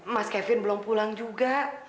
mas kevin belum pulang juga